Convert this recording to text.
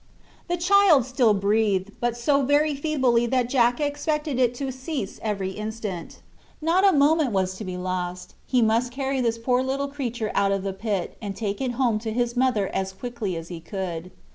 The child still breathed, but so very feebly that Harry expected it to cease every instant. Not a moment was to be lost; he must carry this poor little creature out of the pit, and take it home to his mother as quickly as he could.